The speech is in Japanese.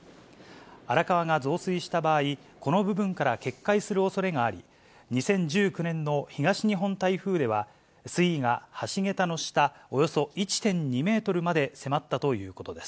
荒川が増水した場合、この部分から決壊するおそれがあり、２０１９年の東日本台風では、水位が橋桁の下およそ１．２メートルまで迫ったということです。